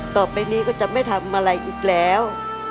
ต่อไปนี้ก็จะไม่ทำอะไรอีกแล้ว